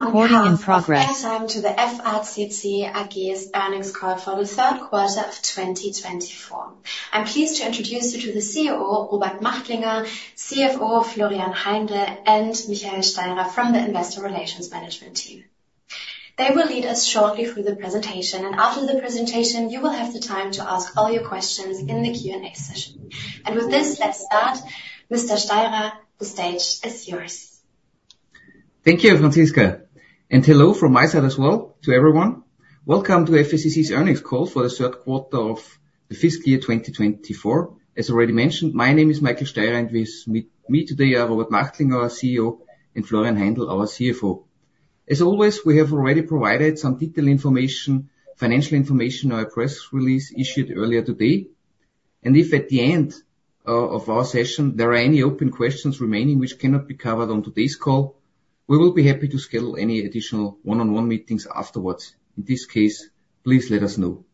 Recording in progress. Welcome back to the FACC AG's earnings call for the third quarter of 2024. I'm pleased to introduce you to the CEO, Robert Machtlinger, CFO, Florian Heindl, and Michael Steirer from the Investor Relations Management team. They will lead us shortly through the presentation, and after the presentation, you will have the time to ask all your questions in the Q&A session. With this, let's start. Mr. Steirer, the stage is yours. Thank you, Franziska, and hello from my side as well to everyone. Welcome to FACC's earnings call for the third quarter of the fiscal year 2024. As already mentioned, my name is Michael Steirer, and with me today are Robert Machtlinger, our CEO, and Florian Heindl, our CFO. As always, we have already provided some detailed information, financial information, our press release issued earlier today, and if at the end of our session there are any open questions remaining which cannot be covered on today's call, we will be happy to schedule any additional one-on-one meetings afterwards. In this case, please let us know.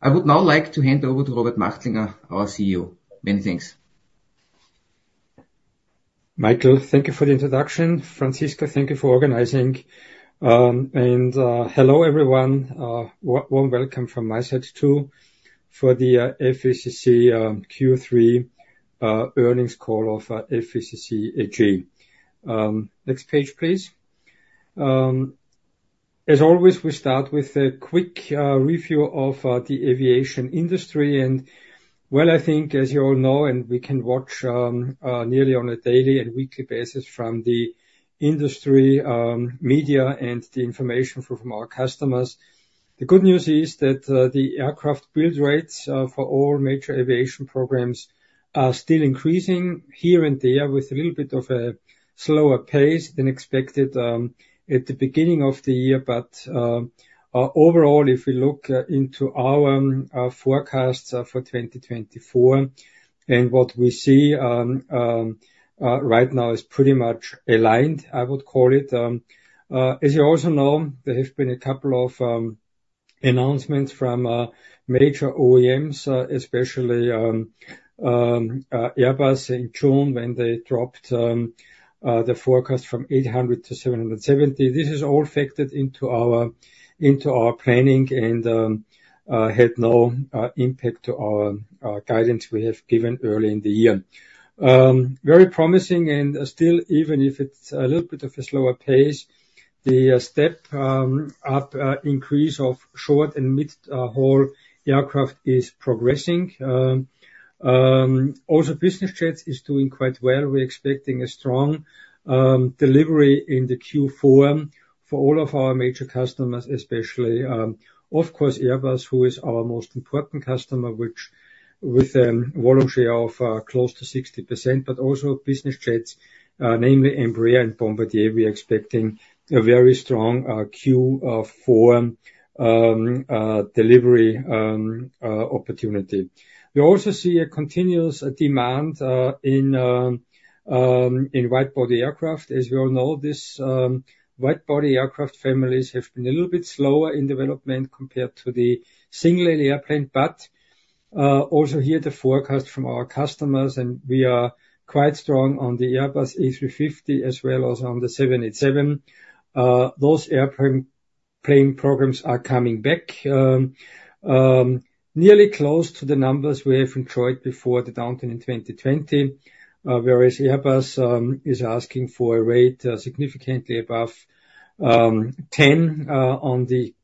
I would now like to hand over to Robert Machtlinger, our CEO. Many thanks. Michael, thank you for the introduction. Franziska, thank you for organizing. And hello everyone. Warm welcome from my side too for the FACC Q3 earnings call of FACC AG. Next page, please. As always, we start with a quick review of the aviation industry. And well, I think, as you all know, and we can watch nearly on a daily and weekly basis from the industry media and the information from our customers. The good news is that the aircraft build rates for all major aviation programs are still increasing here and there with a little bit of a slower pace than expected at the beginning of the year. But overall, if we look into our forecasts for 2024 and what we see right now is pretty much aligned, I would call it. As you also know, there have been a couple of announcements from major OEMs, especially Airbus in June when they dropped the forecast from 800 to 770. This has all factored into our planning and had no impact on our guidance we have given early in the year. Very promising, and still, even if it's a little bit of a slower pace, the step-up increase of short and mid-haul aircraft is progressing. Also, business jets is doing quite well. We're expecting a strong delivery in the Q4 for all of our major customers, especially, of course, Airbus, who is our most important customer, which with a volume share of close to 60%, but also business jets, namely Embraer and Bombardier. We're expecting a very strong Q4 delivery opportunity. We also see a continuous demand in wide-body aircraft. As we all know, these wide-body aircraft families have been a little bit slower in development compared to the single-aisle airplane. But also here, the forecast from our customers, and we are quite strong on the Airbus A350 as well as on the 787, those airplane programs are coming back nearly close to the numbers we have enjoyed before the downturn in 2020. Whereas Airbus is asking for a rate significantly above 10 on the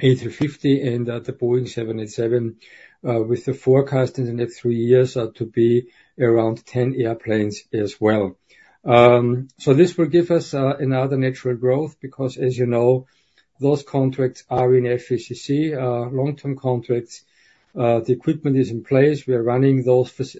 A350 and the Boeing 787, with the forecast in the next three years to be around 10 airplanes as well. So this will give us another natural growth because, as you know, those contracts are in FACC, long-term contracts. The equipment is in place. We are running those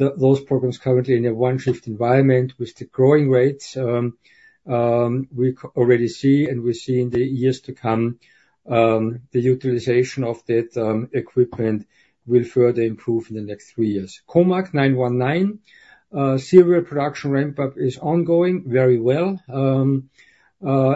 programs currently in a one-shift environment with the growing rates we already see, and we see in the years to come the utilization of that equipment will further improve in the next three years. C919 serial production ramp-up is ongoing very well.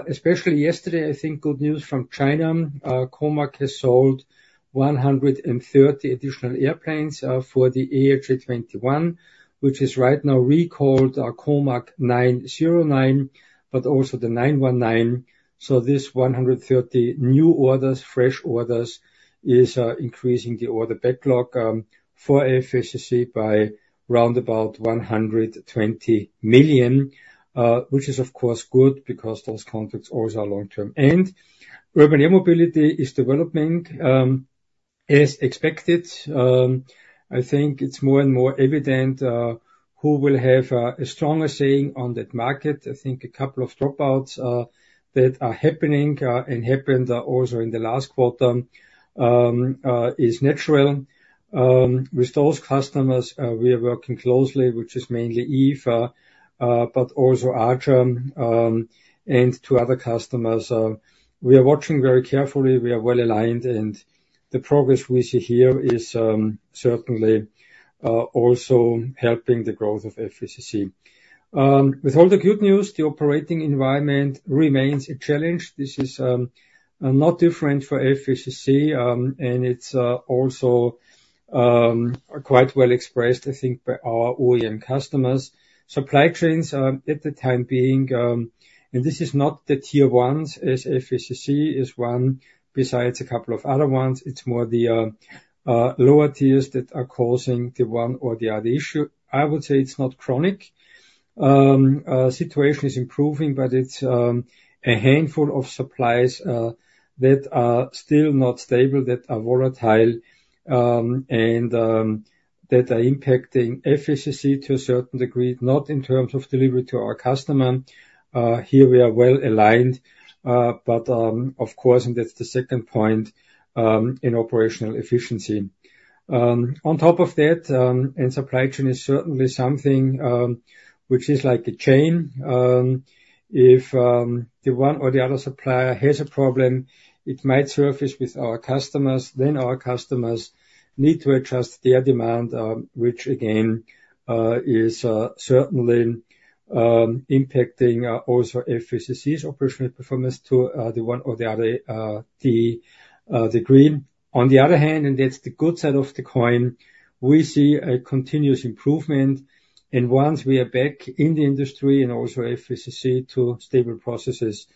Especially yesterday, I think good news from China. COMAC has sold 130 additional airplanes for the ARJ21, which is right now called COMAC ARJ21, but also the C919. So this 130 new orders, fresh orders, is increasing the order backlog for FACC by round about $120 million, which is, of course, good because those contracts always are long-term, and urban air mobility is developing as expected. I think it's more and more evident who will have a stronger saying on that market. I think a couple of dropouts that are happening and happened also in the last quarter is natural. With those customers, we are working closely, which is mainly Eve, but also Archer and two other customers. We are watching very carefully. We are well aligned, and the progress we see here is certainly also helping the growth of FACC. With all the good news, the operating environment remains a challenge. This is not different for FACC, and it's also quite well expressed, I think, by our OEM customers. Supply chains at the time being, and this is not the Tier 1s as FACC is one besides a couple of other ones. It's more the lower tiers that are causing the one or the other issue. I would say it's not chronic. The situation is improving, but it's a handful of suppliers that are still not stable, that are volatile, and that are impacting FACC to a certain degree, not in terms of delivery to our customer. Here we are well aligned, but of course, and that's the second point in operational efficiency. On top of that, and supply chain is certainly something which is like a chain. If the one or the other supplier has a problem, it might surface with our customers. Then our customers need to adjust their demand, which again is certainly impacting also FACC's operational performance to the one or the other degree. On the other hand, and that's the good side of the coin, we see a continuous improvement, and once we are back in the industry and also FACC to stable processes,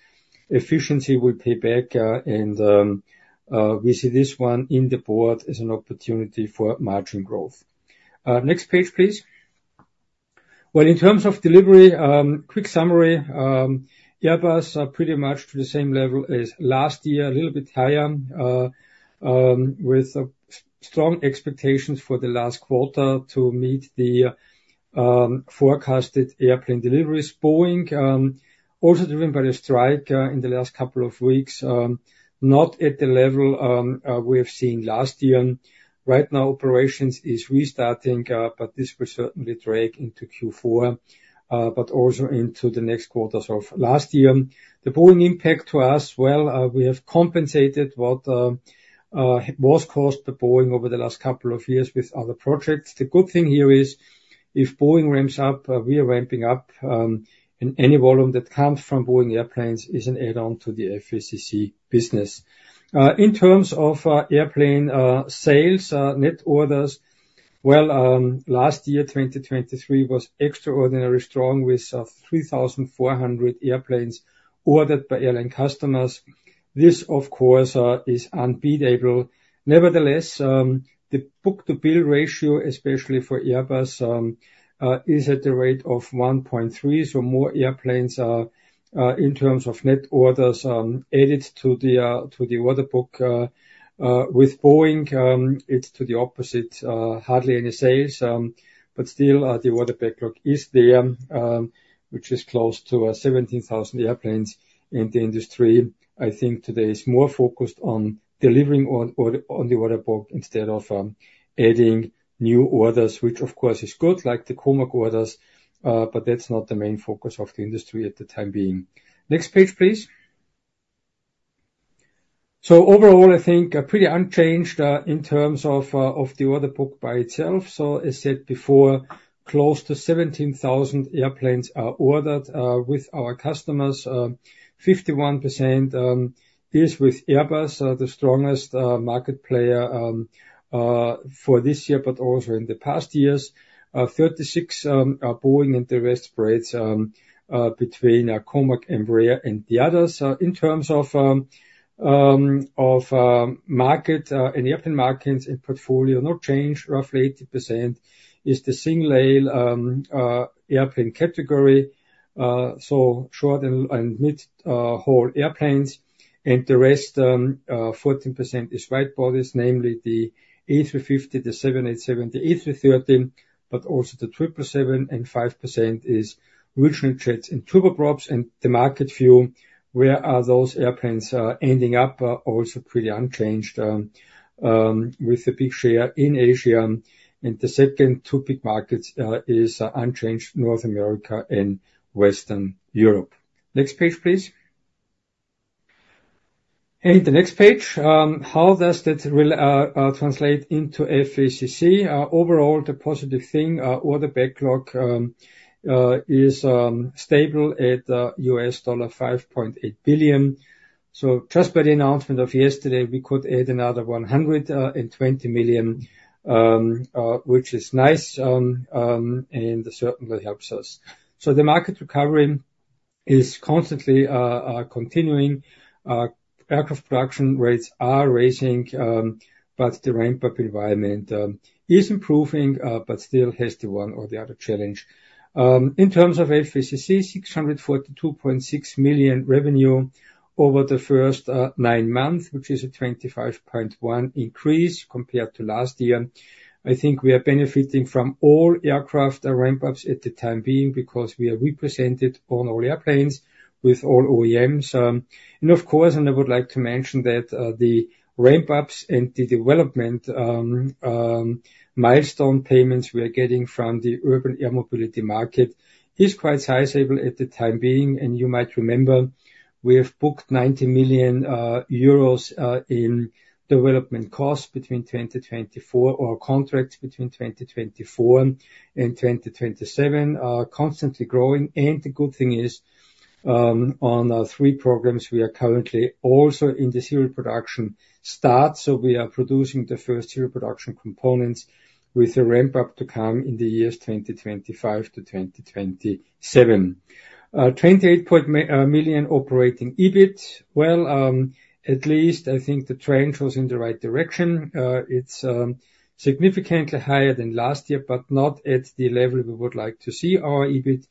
efficiency will pay back, and we see this one in the board as an opportunity for margin growth. Next page, please. In terms of delivery, quick summary, Airbus are pretty much to the same level as last year, a little bit higher, with strong expectations for the last quarter to meet the forecasted airplane deliveries. Boeing, also driven by the strike in the last couple of weeks, not at the level we have seen last year. Right now, operations is restarting, but this will certainly drag into Q4, but also into the next quarters of last year. The Boeing impact to us, well, we have compensated what was cost by Boeing over the last couple of years with other projects. The good thing here is if Boeing ramps up, we are ramping up, and any volume that comes from Boeing airplanes is an add-on to the FACC business. In terms of airplane sales, net orders, well, last year, 2023, was extraordinarily strong with 3,400 airplanes ordered by airline customers. This, of course, is unbeatable. Nevertheless, the book-to-bill ratio, especially for Airbus, is at the rate of 1.3. So more airplanes in terms of net orders added to the order book. With Boeing, it's to the opposite, hardly any sales, but still the order backlog is there, which is close to 17,000 airplanes in the industry. I think today is more focused on delivering on the order book instead of adding new orders, which of course is good, like the COMAC orders, but that's not the main focus of the industry at the time being. Next page, please. So overall, I think pretty unchanged in terms of the order book by itself. So as said before, close to 17,000 airplanes are ordered with our customers, 51%. This with Airbus, the strongest market player for this year, but also in the past years, 36% Boeing and the rest spreads between COMAC, Embraer, and the others. In terms of market and airplane markets and portfolio, no change, roughly 80% is the single-aisle airplane category, so short and mid-haul airplanes, and the rest, 14% is wide-bodies, namely the A350, the 787, the A330, but also the 777, and 5% is regional jets and turboprops, and the market view, where are those airplanes ending up, also pretty unchanged with a big share in Asia, and the second two big markets is unchanged, North America and Western Europe. Next page, please, and the next page, how does that translate into FACC? Overall, the positive thing, order backlog is stable at $5.8 billion. Just by the announcement of yesterday, we could add another 120 million, which is nice and certainly helps us. The market recovery is constantly continuing. Aircraft production rates are rising, but the ramp-up environment is improving, but still has the one or the other challenge. In terms of FACC, 642.6 million revenue over the first nine months, which is a 25.1% increase compared to last year. I think we are benefiting from all aircraft ramp-ups at the time being because we are represented on all airplanes with all OEMs. Of course, I would like to mention that the ramp-ups and the development milestone payments we are getting from the urban air mobility market is quite sizable at the time being. You might remember we have booked 90 million euros in development costs between 2024 or contracts between 2024 and 2027, constantly growing. The good thing is on three programs, we are currently also in the serial production start. We are producing the first serial production components with a ramp-up to come in the years 2025 to 2027. 28 million operating EBIT. At least I think the trend goes in the right direction. It's significantly higher than last year, but not at the level we would like to see our EBIT.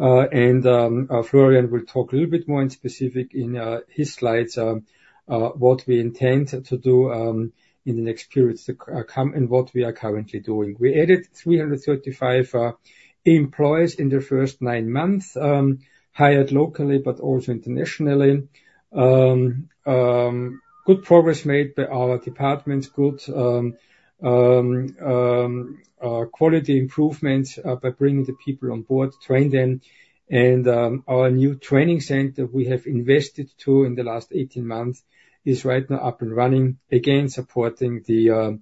Florian will talk a little bit more in specific in his slides what we intend to do in the next period to come and what we are currently doing. We added 335 employees in the first nine months, hired locally, but also internationally. Good progress made by our departments. Good quality improvements by bringing the people on board, train them. Our new training center we have invested in in the last 18 months is right now up and running, again supporting the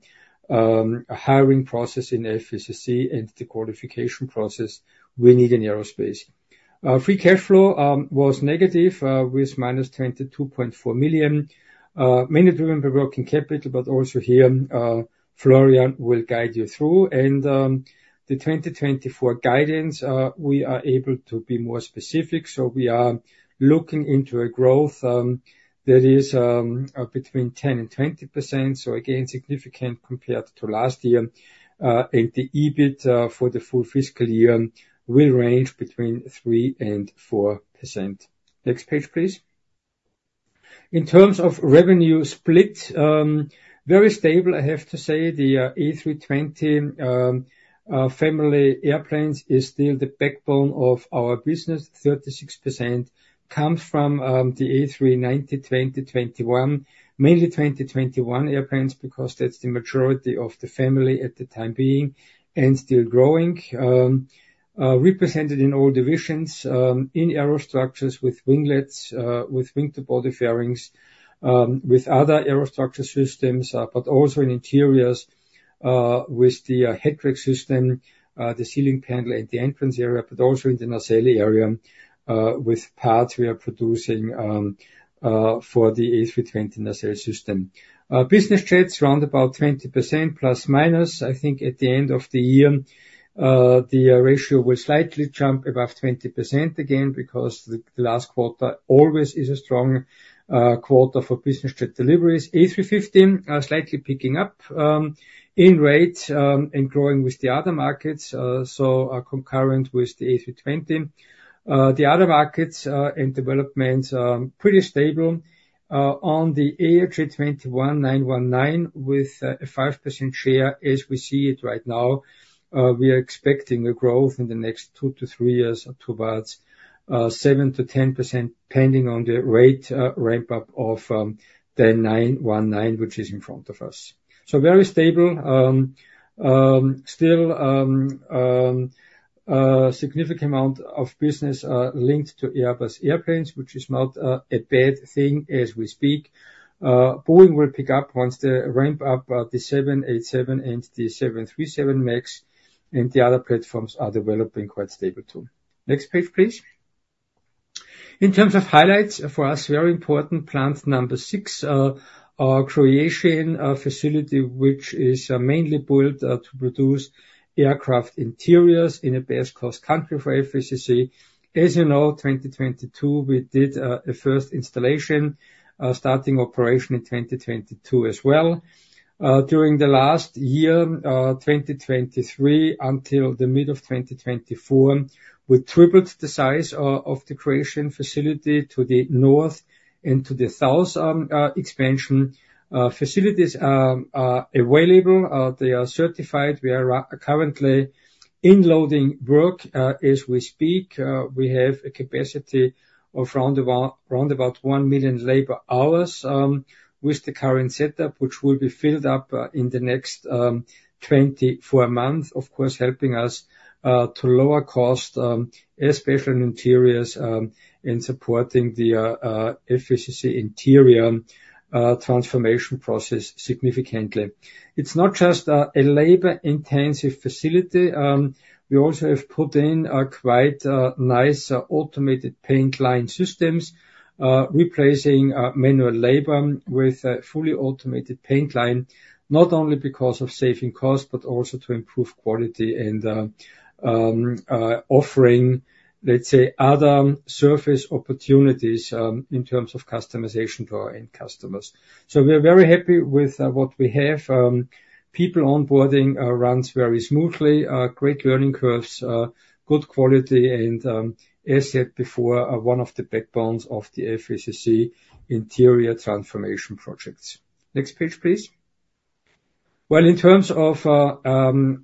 hiring process in FACC and the qualification process we need in aerospace. Free cash flow was negative with minus 22.4 million, mainly driven by working capital, but also here Florian will guide you through. The 2024 guidance, we are able to be more specific. We are looking into a growth that is between 10% and 20%. Again, significant compared to last year. The EBIT for the full fiscal year will range between 3% and 4%. Next page, please. In terms of revenue split, very stable, I have to say the A320 family airplanes is still the backbone of our business. 36% comes from the A320 and A321, mainly A321 airplanes because that's the majority of the family for the time being and still growing. Represented in all divisions in Aerostructures with winglets, with wing-to-body fairings, with other aero structure systems, but also in interiors with the hatrack system, the ceiling panel at the entrance area, but also in the nacelle area with parts we are producing for the A320 nacelle system. Business jets, around 20% plus minus. I think at the end of the year, the ratio will slightly jump above 20% again because the last quarter always is a strong quarter for business jet deliveries. A350 slightly picking up in rate and growing with the other markets. So concurrent with the A320. The other markets and developments are pretty stable. On the ARJ21 C919 with a 5% share as we see it right now, we are expecting a growth in the next two to three years towards 7%-10% depending on the rate ramp-up of the C919, which is in front of us. So very stable. Still, significant amount of business linked to Airbus airplanes, which is not a bad thing as we speak. Boeing will pick up once they ramp up the 787 and the 737 MAX, and the other platforms are developing quite stable too. Next page, please. In terms of highlights for us, very important plant number six, production facility, which is mainly built to produce aircraft interiors in a best cost country for FACC. As you know, 2022, we did a first installation starting operation in 2022 as well. During the last year, 2023 until the mid of 2024, we tripled the size of the production facility to the north and to the south expansion. Facilities are available. They are certified. We are currently in loading work as we speak. We have a capacity of round about one million labor hours with the current setup, which will be filled up in the next 24 months, of course, helping us to lower cost, especially in interiors and supporting the FACC interior transformation process significantly. It's not just a labor-intensive facility. We also have put in quite nice automated paint line systems, replacing manual labor with fully automated paint line, not only because of saving costs, but also to improve quality and offering, let's say, other surface opportunities in terms of customization to our end customers. So we are very happy with what we have. People onboarding runs very smoothly, great learning curves, good quality, and as said before, one of the backbones of the FACC interior transformation projects. Next page, please. Well, in terms of onboarding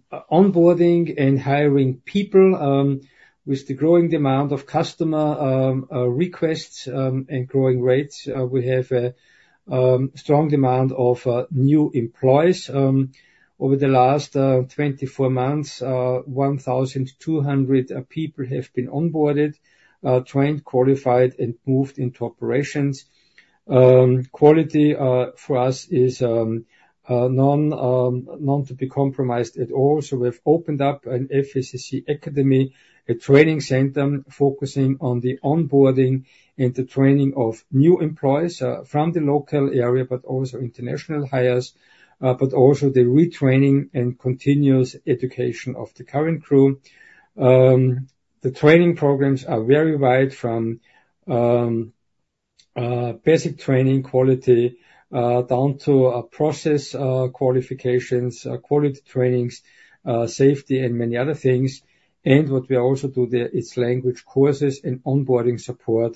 and hiring people, with the growing demand of customer requests and growing rates, we have a strong demand of new employees. Over the last 24 months, 1,200 people have been onboarded, trained, qualified, and moved into operations. Quality for us is not to be compromised at all. So we've opened up an FACC Academy, a training center focusing on the onboarding and the training of new employees from the local area, but also international hires, but also the retraining and continuous education of the current crew. The training programs are very wide from basic training quality down to process qualifications, quality trainings, safety, and many other things. What we also do there is language courses and onboarding support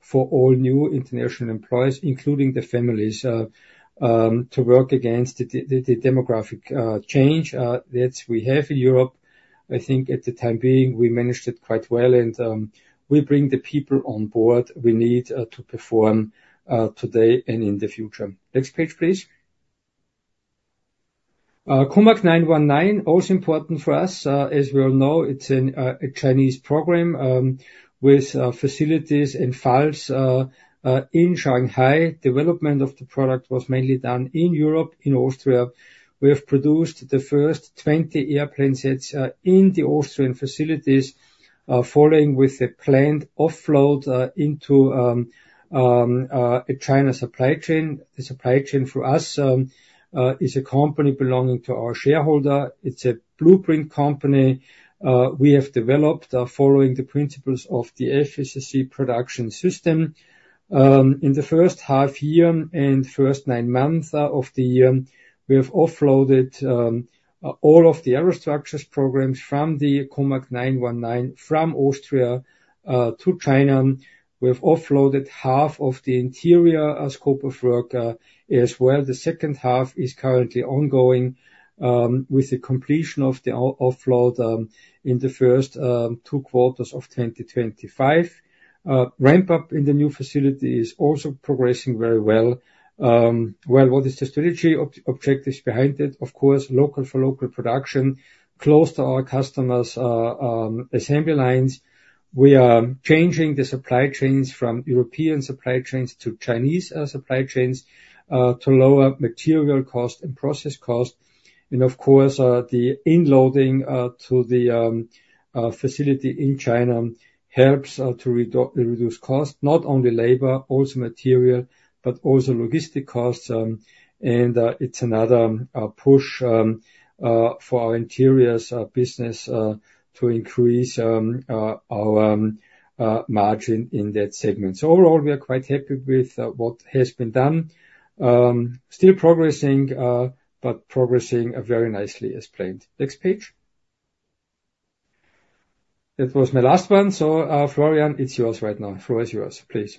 for all new international employees, including the families, to work against the demographic change that we have in Europe. I think for the time being, we managed it quite well, and we bring the people on board we need to perform today and in the future. Next page, please. COMAC C919, also important for us. As we all know, it's a Chinese program with facilities and fabs in Shanghai. Development of the product was mainly done in Europe, in Austria. We have produced the first 20 airplane sets in the Austrian facilities, following with the planned offload into a China supply chain. The supply chain for us is a company belonging to our shareholder. It's a blueprint company. We have developed following the principles of the FACC production system. In the first half year and first nine months of the year, we have offloaded all of the aerostructures programs from the COMAC C919 from Austria to China. We have offloaded half of the interior scope of work as well. The second half is currently ongoing with the completion of the offload in the first two quarters of 2025. Ramp-up in the new facility is also progressing very well. What is the strategy objectives behind it? Of course, local for local production, close to our customers' assembly lines. We are changing the supply chains from European supply chains to Chinese supply chains to lower material cost and process cost. And of course, the inloading to the facility in China helps to reduce cost, not only labor, also material, but also logistic costs. And it's another push for our interiors business to increase our margin in that segment. So overall, we are quite happy with what has been done. Still progressing, but progressing very nicely as planned. Next page. That was my last one. So Florian, it's yours right now. Floor is yours, please.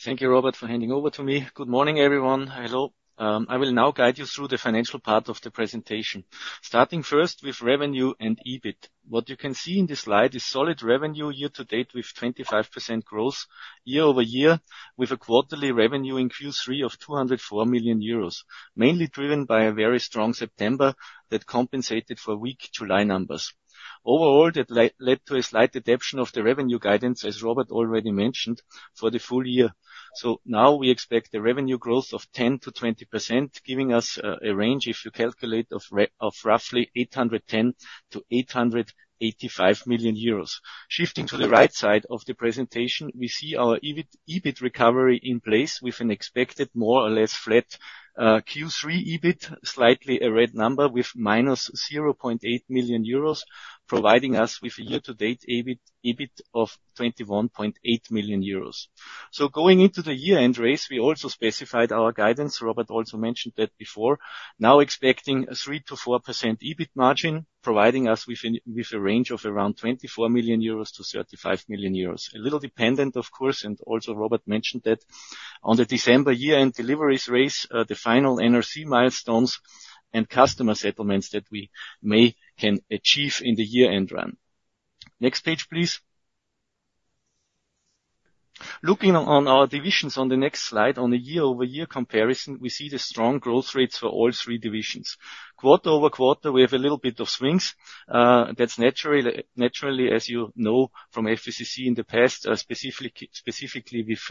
Thank you, Robert, for handing over to me. Good morning, everyone. Hello. I will now guide you through the financial part of the presentation, starting first with revenue and EBIT. What you can see in this slide is solid revenue year to date with 25% growth year over year, with a quarterly revenue in Q3 of 204 million euros, mainly driven by a very strong September that compensated for weak July numbers. Overall, that led to a slight adaptation of the revenue guidance, as Robert already mentioned, for the full year. So now we expect a revenue growth of 10%-20%, giving us a range, if you calculate, of roughly 810-885 million euros. Shifting to the right side of the presentation, we see our EBIT recovery in place with an expected more or less flat Q3 EBIT, slightly a red number with minus 0.8 million euros, providing us with a year-to-date EBIT of 21.8 million euros. So going into the year-end race, we also specified our guidance. Robert also mentioned that before. Now expecting a 3%-4% EBIT margin, providing us with a range of around 24-35 million euros. A little dependent, of course, and also Robert mentioned that on the December year-end deliveries race, the final NRC milestones and customer settlements that we may can achieve in the year-end run. Next page, please. Looking on our divisions on the next slide, on the year-over-year comparison, we see the strong growth rates for all three divisions. Quarter over quarter, we have a little bit of swings. That's naturally, as you know from FACC in the past, specifically with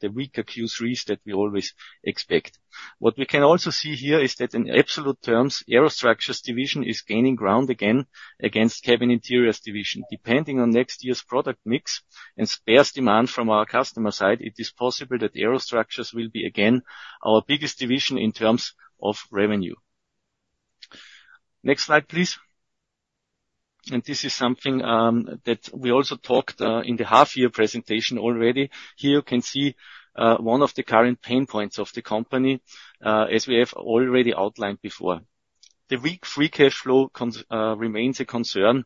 the weaker Q3s that we always expect. What we can also see here is that in absolute terms, aerostructures division is gaining ground again against Cabin Interiors division. Depending on next year's product mix and spares demand from our customer side, it is possible that aerostructures will be again our biggest division in terms of revenue. Next slide, please. And this is something that we also talked in the half-year presentation already. Here you can see one of the current pain points of the company, as we have already outlined before. The weak free cash flow remains a concern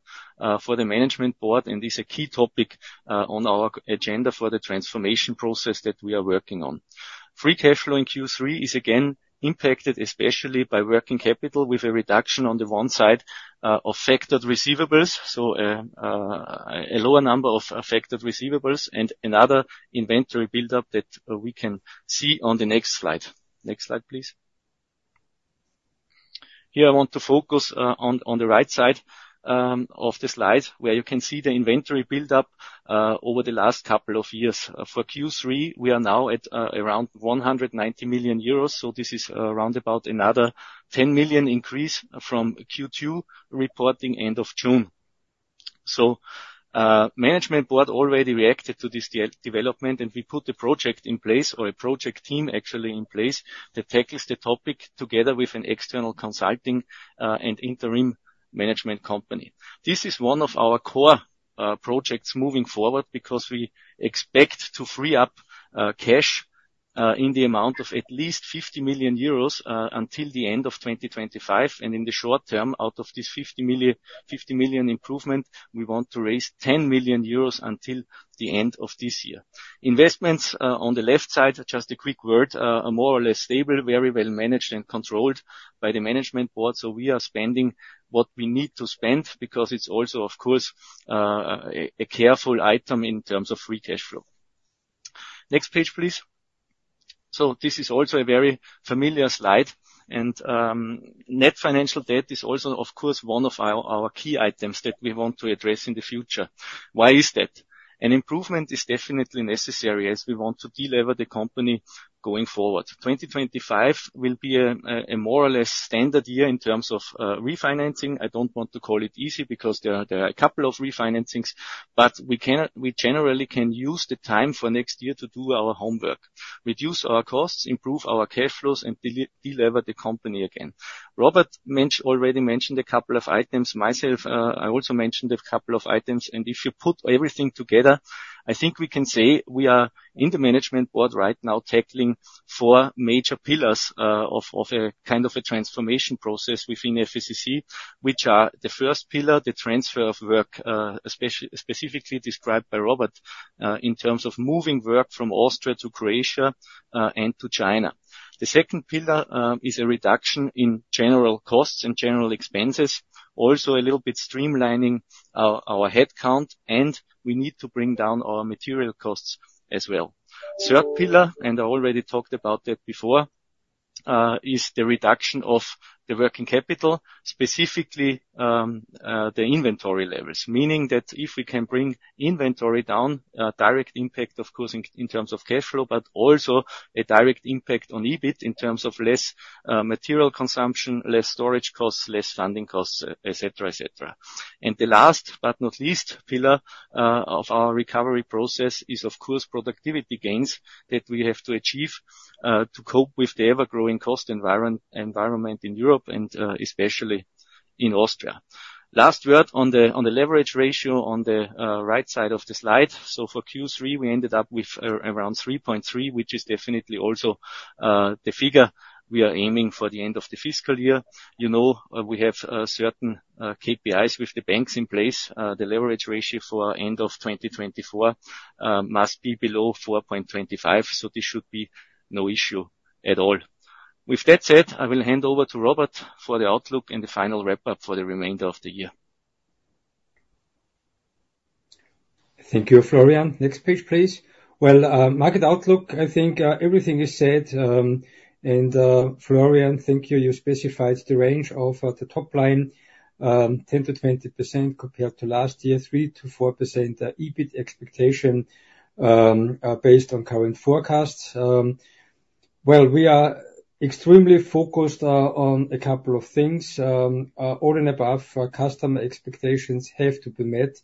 for the management board and is a key topic on our agenda for the transformation process that we are working on. Free cash flow in Q3 is again impacted especially by working capital with a reduction on the one side of factored receivables, so a lower number of affected receivables and another inventory buildup that we can see on the next slide. Next slide, please. Here I want to focus on the right side of the slide where you can see the inventory buildup over the last couple of years. For Q3, we are now at around 190 million euros. So this is around about another 10 million increase from Q2 reporting end of June. So the management board already reacted to this development and we put the project in place or a project team actually in place that tackles the topic together with an external consulting and interim management company. This is one of our core projects moving forward because we expect to free up cash in the amount of at least 50 million euros until the end of 2025. And in the short term, out of this 50 million improvement, we want to raise 10 million euros until the end of this year. Investments on the left side, just a quick word, more or less stable, very well managed and controlled by the management board. So we are spending what we need to spend because it's also, of course, a careful item in terms of free cash flow. Next page, please. So this is also a very familiar slide. Net Financial Debt is also, of course, one of our key items that we want to address in the future. Why is that? An improvement is definitely necessary as we want to deliver the company going forward. 2025 will be a more or less standard year in terms of refinancing. I don't want to call it easy because there are a couple of refinancings, but we generally can use the time for next year to do our homework, reduce our costs, improve our cash flows, and deliver the company again. Robert already mentioned a couple of items. Myself, I also mentioned a couple of items. If you put everything together, I think we can say we are in the management board right now tackling four major pillars of a kind of a transformation process within FACC, which are the first pillar, the transfer of work, specifically described by Robert in terms of moving work from Austria to Croatia and to China. The second pillar is a reduction in general costs and general expenses, also a little bit streamlining our headcount, and we need to bring down our material costs as well. Third pillar, and I already talked about that before, is the reduction of the working capital, specifically the inventory levels, meaning that if we can bring inventory down, direct impact, of course, in terms of cash flow, but also a direct impact on EBIT in terms of less material consumption, less storage costs, less funding costs, et cetera, et cetera. The last, but not least, pillar of our recovery process is, of course, productivity gains that we have to achieve to cope with the ever-growing cost environment in Europe and especially in Austria. Last word on the leverage ratio on the right side of the slide. For Q3, we ended up with around 3.3, which is definitely also the figure we are aiming for the end of the fiscal year. You know we have certain KPIs with the banks in place. The leverage ratio for end of 2024 must be below 4.25, so this should be no issue at all. With that said, I will hand over to Robert for the outlook and the final wrap-up for the remainder of the year. Thank you, Florian. Next page, please. Market outlook, I think everything is said. Florian, thank you. You specified the range of the top line, 10%-20% compared to last year, 3%-4% EBIT expectation based on current forecasts. Well, we are extremely focused on a couple of things. All in above, customer expectations have to be met.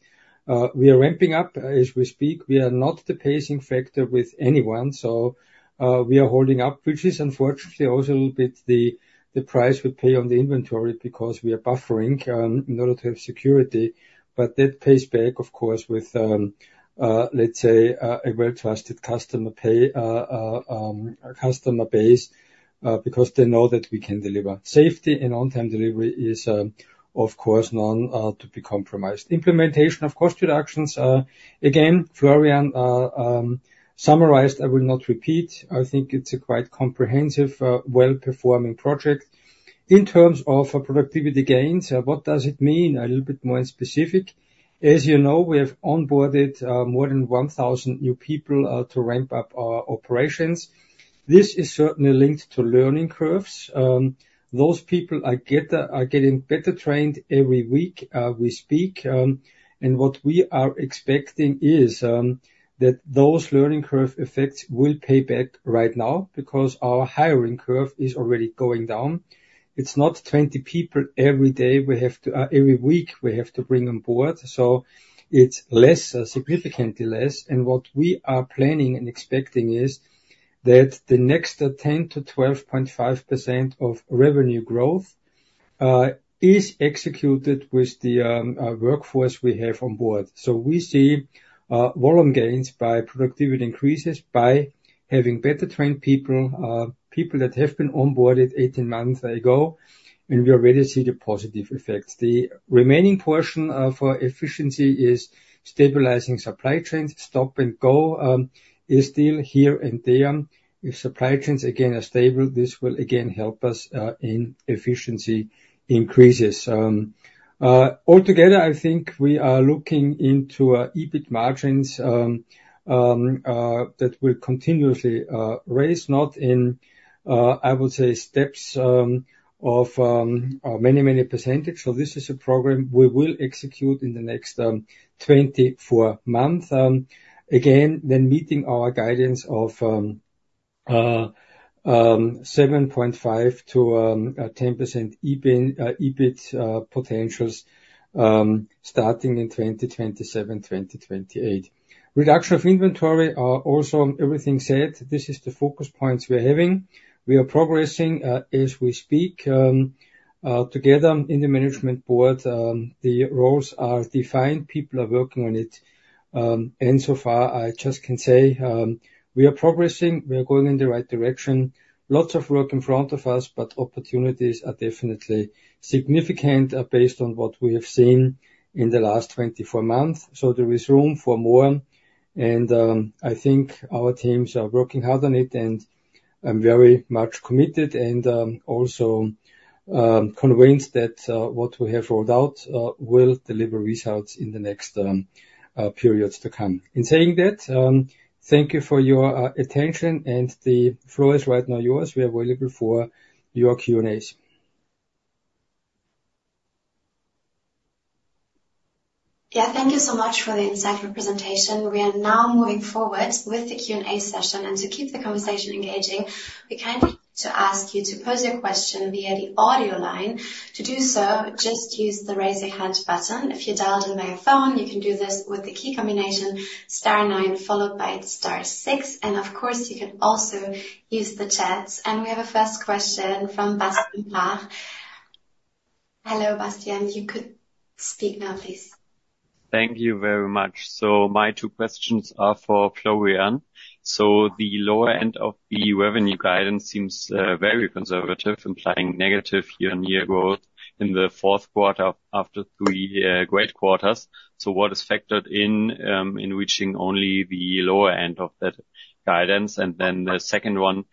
We are ramping up as we speak. We are not the pacing factor with anyone. So we are holding up, which is unfortunately also a little bit the price we pay on the inventory because we are buffering in order to have security. But that pays back, of course, with, let's say, a well-trusted customer base, because they know that we can deliver. Safety and on-time delivery is, of course, known to be compromised. Implementation of cost reductions. Again, Florian summarized. I will not repeat. I think it's a quite comprehensive, well-performing project. In terms of productivity gains, what does it mean? A little bit more in specific. As you know, we have onboarded more than 1,000 new people to ramp up our operations. This is certainly linked to learning curves. Those people are getting better trained every week we speak. And what we are expecting is that those learning curve effects will pay back right now because our hiring curve is already going down. It's not 20 people every day we have to, every week we have to bring on board. So it's less, significantly less, and what we are planning and expecting is that the next 10%-12.5% of revenue growth is executed with the workforce we have on board. So we see volume gains by productivity increases by having better trained people, people that have been onboarded 18 months ago, and we already see the positive effects. The remaining portion for efficiency is stabilizing supply chains. Stop and go is still here and there. If supply chains again are stable, this will again help us in efficiency increases. Altogether, I think we are looking into EBIT margins that will continuously raise, not in, I would say, steps of many, many percentage. So this is a program we will execute in the next 24 months. Again, then meeting our guidance of 7.5%-10% EBIT potentials starting in 2027, 2028. Reduction of inventory, also everything said. This is the focus points we are having. We are progressing as we speak together in the management board. The roles are defined. People are working on it. So far, I just can say we are progressing. We are going in the right direction. Lots of work in front of us, but opportunities are definitely significant based on what we have seen in the last 24 months. So there is room for more. And I think our teams are working hard on it and I'm very much committed and also convinced that what we have rolled out will deliver results in the next periods to come. In saying that, thank you for your attention. And the floor is right now yours. We are available for your Q&As. Yeah, thank you so much for the insightful presentation. We are now moving forward with the Q&A session. And to keep the conversation engaging, we kindly need to ask you to pose your question via the audio line. To do so, just use the raise your hand button. If you dialed in via phone, you can do this with the key combination star nine followed by star six. And of course, you can also use the chats. And we have a first question from Bastien Park. Hello, Bastien. You could speak now, please. Thank you very much. So my two questions are for Florian. So the lower end of the revenue guidance seems very conservative, implying negative year-on-year growth in the fourth quarter after three great quarters. So what is factored in reaching only the lower end of that guidance? And then the second one,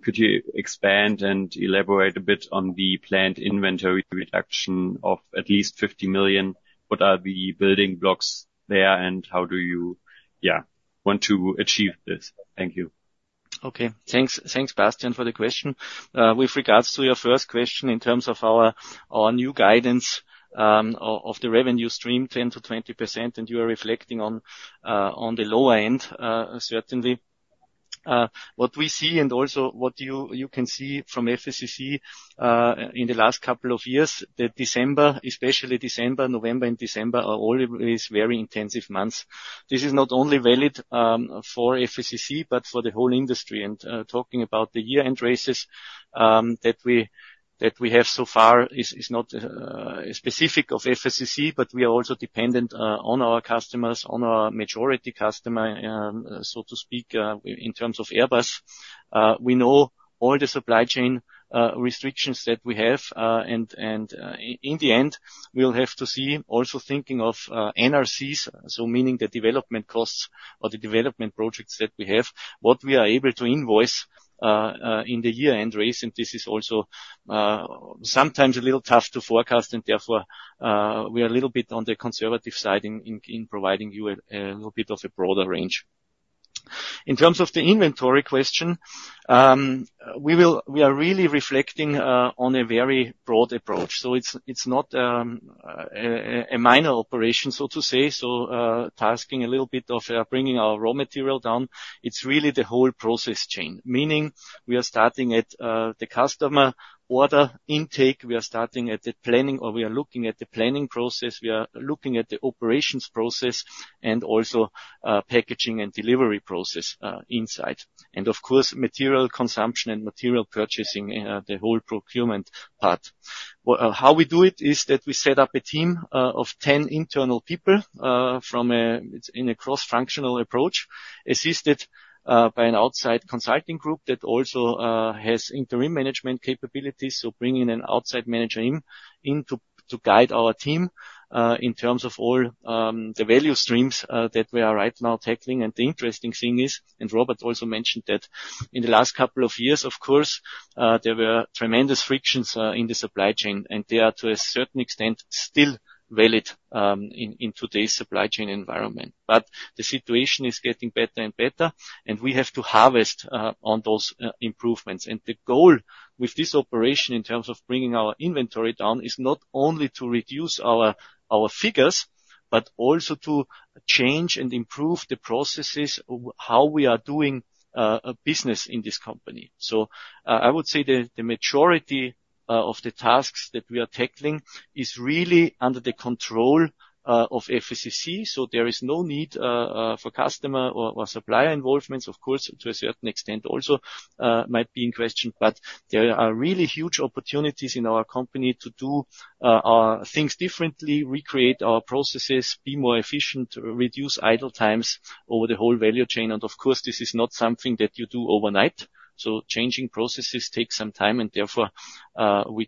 could you expand and elaborate a bit on the planned inventory reduction of at least 50 million? What are the building blocks there and how do you, yeah, want to achieve this? Thank you. Okay, thanks, Bastien, for the question. With regards to your first question in terms of our new guidance of the revenue stream, 10%-20%, and you are reflecting on the lower end, certainly. What we see and also what you can see from FACC in the last couple of years, that December, especially December, November and December, are always very intensive months. This is not only valid for FACC, but for the whole industry, and talking about the year-end races that we have so far is not specific of FACC, but we are also dependent on our customers, on our majority customer, so to speak, in terms of Airbus. We know all the supply chain restrictions that we have, and in the end, we'll have to see also thinking of NRCs, so meaning the development costs or the development projects that we have, what we are able to invoice in the year-end race, and this is also sometimes a little tough to forecast. And therefore, we are a little bit on the conservative side in providing you a little bit of a broader range. In terms of the inventory question, we are really reflecting on a very broad approach. So it's not a minor operation, so to say, so tasking a little bit of bringing our raw material down. It's really the whole process chain, meaning we are starting at the customer order intake. We are starting at the planning, or we are looking at the planning process. We are looking at the operations process and also packaging and delivery process inside. And of course, material consumption and material purchasing, the whole procurement part. How we do it is that we set up a team of 10 internal people from a cross-functional approach, assisted by an outside consulting group that also has interim management capabilities. So bringing an outside manager in to guide our team in terms of all the value streams that we are right now tackling. And the interesting thing is, and Robert also mentioned that in the last couple of years, of course, there were tremendous frictions in the supply chain, and they are to a certain extent still valid in today's supply chain environment. But the situation is getting better and better, and we have to harvest on those improvements. And the goal with this operation in terms of bringing our inventory down is not only to reduce our figures, but also to change and improve the processes, how we are doing business in this company. So I would say the majority of the tasks that we are tackling is really under the control of FACC. So there is no need for customer or supplier involvements, of course, to a certain extent also might be in question. But there are really huge opportunities in our company to do our things differently, recreate our processes, be more efficient, reduce idle times over the whole value chain. And of course, this is not something that you do overnight. So changing processes takes some time. And therefore,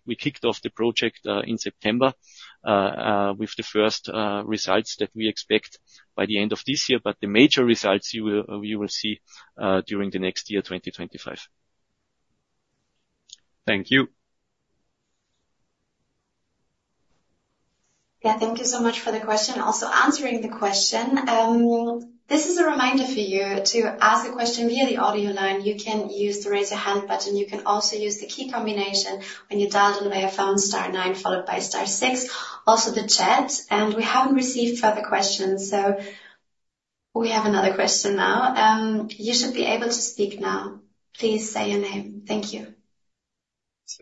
we kicked off the project in September with the first results that we expect by the end of this year. But the major results you will see during the next year, 2025. Thank you. Yeah, thank you so much for the question. Also answering the question, this is a reminder for you to ask a question via the audio line. You can use the raise your hand button. You can also use the key combination when you dialed in via phone: star nine followed by star six, also the chat. And we haven't received further questions. So we have another question now. You should be able to speak now. Please say your name. Thank you.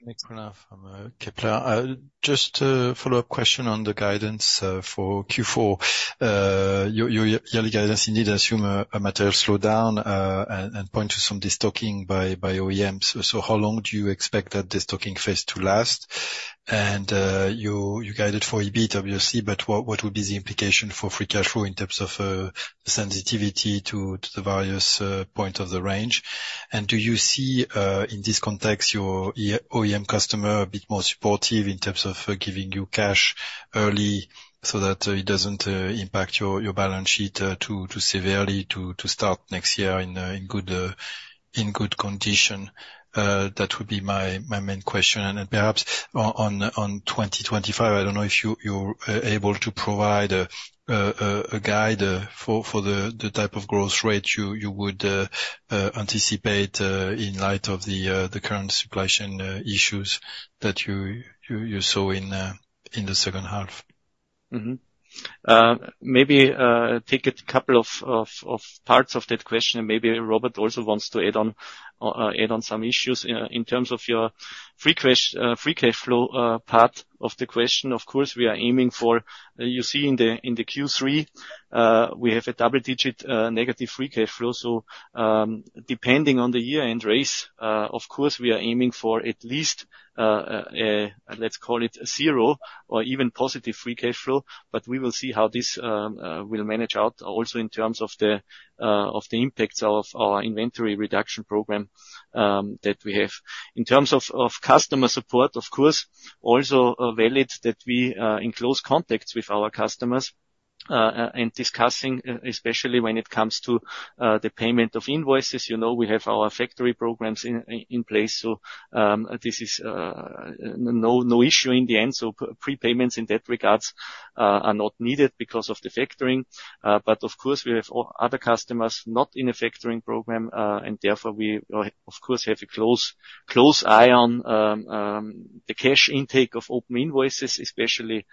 Thanks, Aymeric from Kepler. Just a follow-up question on the guidance for Q4. Your yearly guidance indeed assumes a material slowdown and points to some destocking by OEMs. So how long do you expect that destocking phase to last? And you guided for EBIT, obviously, but what would be the implication for free cash flow in terms of sensitivity to the various points of the range? Do you see in this context your OEM customer a bit more supportive in terms of giving you cash early so that it doesn't impact your balance sheet too severely to start next year in good condition? That would be my main question. Perhaps on 2025, I don't know if you're able to provide a guide for the type of growth rate you would anticipate in light of the current supply chain issues that you saw in the second half. Maybe take a couple of parts of that question. Maybe Robert also wants to add on some issues in terms of your free cash flow part of the question. Of course, we are aiming for. You see in the Q3, we have a double-digit negative free cash flow. So depending on the year-end race, of course, we are aiming for at least, let's call it zero or even positive free cash flow. But we will see how this will manage out also in terms of the impacts of our inventory reduction program that we have. In terms of customer support, of course, also valid that we are in close contacts with our customers and discussing, especially when it comes to the payment of invoices. You know we have our factoring programs in place. So this is no issue in the end. So prepayments in that regard are not needed because of the factoring. But of course, we have other customers not in a factoring program. And therefore, we of course have a close eye on the cash intake of open invoices, especially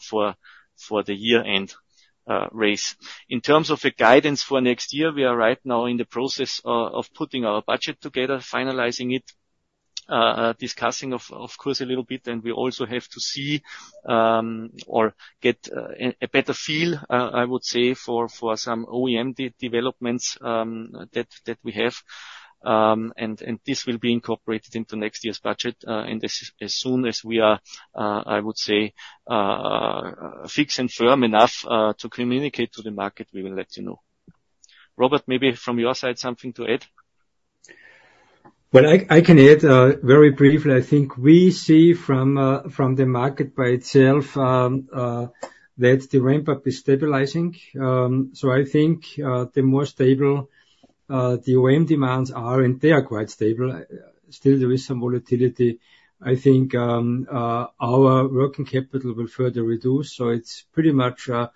for the year-end race. In terms of the guidance for next year, we are right now in the process of putting our budget together, finalizing it, discussing, of course, a little bit, and we also have to see or get a better feel, I would say, for some OEM developments that we have, and this will be incorporated into next year's budget, and as soon as we are, I would say, fixed and firm enough to communicate to the market, we will let you know. Robert, maybe from your side, something to add? Well, I can add very briefly. I think we see from the market by itself that the ramp-up is stabilizing, so I think the more stable the OEM demands are, and they are quite stable. Still, there is some volatility. I think our working capital will further reduce. So it's pretty much a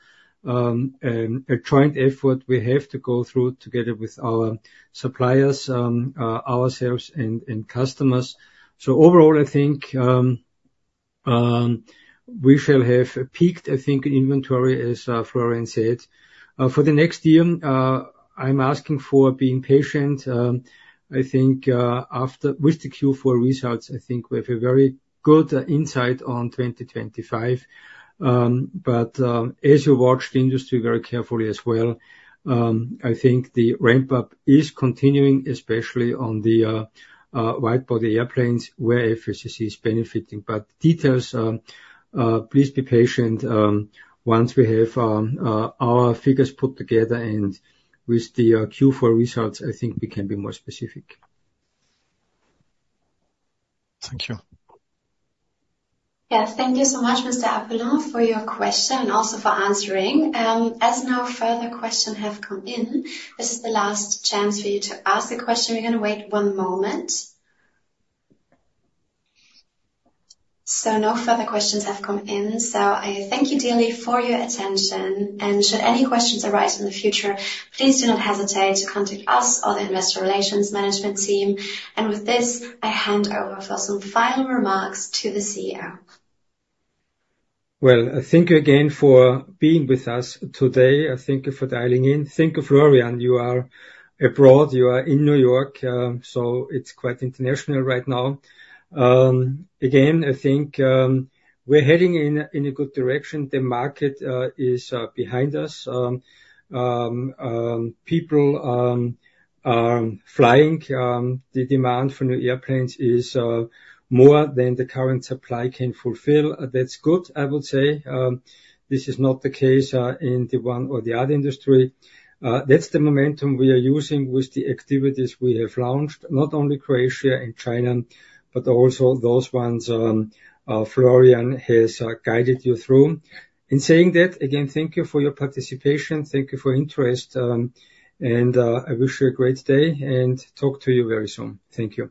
joint effort we have to go through together with our suppliers, ourselves, and customers. So overall, I think we shall have peaked, I think, in inventory, as Florian said. For the next year, I'm asking for being patient. I think with the Q4 results, I think we have a very good insight on 2025. But as you watch the industry very carefully as well, I think the ramp-up is continuing, especially on the wide-body airplanes where FACC is benefiting. But details, please be patient once we have our figures put together. And with the Q4 results, I think we can be more specific. Thank you. Yes, thank you so much, Mr. Poulain, for your question and also for answering. As no further questions have come in, this is the last chance for you to ask a question. We're going to wait one moment. No further questions have come in. I thank you dearly for your attention. Should any questions arise in the future, please do not hesitate to contact us or the Investor Relations Management Team. With this, I hand over for some final remarks to the CEO. Thank you again for being with us today. Thank you for dialing in. Thank you, Florian. You are abroad. You are in New York. It's quite international right now. Again, I think we're heading in a good direction. The market is behind us. People are flying. The demand for new airplanes is more than the current supply can fulfill. That's good, I would say. This is not the case in the one or the other industry. That's the momentum we are using with the activities we have launched, not only Croatia and China, but also those ones Florian has guided you through. In saying that, again, thank you for your participation. Thank you for your interest, and I wish you a great day and talk to you very soon. Thank you.